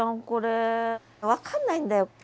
これ分かんないんだよ。